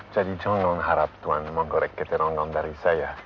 jadi jangan harap tuan menggorek keterangan dari saya